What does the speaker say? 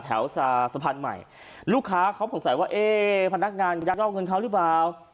แถวสะพานใหม่ลูกค้าเขาคงใส่ว่าเอ่อพนักงานยันเหรอรึเปล่า